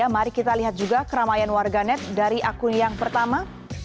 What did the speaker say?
mari kita lihat juga keramaian warganet dari akun yang pertama